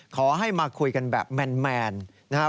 ขอให้มาคุยกันแบบแมนนะครับ